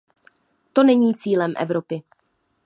To není cílem Evropy.